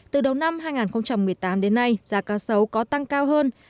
từ đầu năm hai nghìn một mươi tám đến nay giá cá sấu có tăng cao hơn